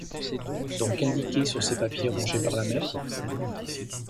donc indiquée sur ces papiers rongés par la mer ?